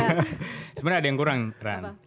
sebenernya ada yang kurang ran